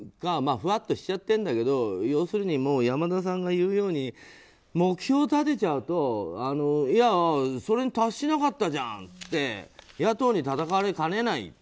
ふわーっとしちゃっているんだけど要するに山田さんが言うように目標を立てちゃうとそれに達しなかったじゃんって野党にたたかれかねない。